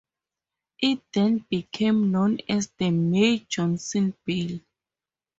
It then became known as the May-Johnson bill.